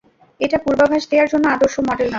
এটা পূর্বাভাস দেয়ার জন্য আদর্শ মডেল নয়!